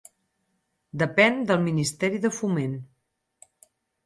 Depèn del Ministeri de Foment.